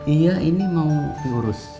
iya ini mau diurus